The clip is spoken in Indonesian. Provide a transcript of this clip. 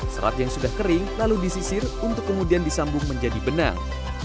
serat yang sudah kering lalu disisir untuk kemudian disambung menjadi benang